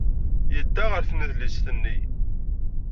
Yedda ɣer tnedlist-nni.